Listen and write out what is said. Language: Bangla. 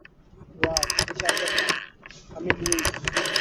ওয়াও, বিশাল ব্যাপার, আমি লুইস।